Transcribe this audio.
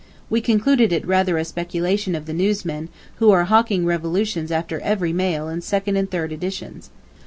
We concluded it rather a speculation of the newsmen, who are hawking revolutions after every mail in second and third editions.